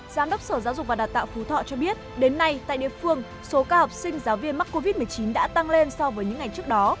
giám đốc sở giáo dục và đào tạo phú thọ cho biết đến nay tại địa phương số ca học sinh giáo viên mắc covid một mươi chín đã tăng lên so với những ngày trước đó